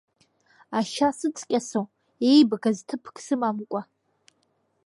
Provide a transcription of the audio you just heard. Ашьа сыҵкьасо, еибгаз ҭыԥк сымамкәа…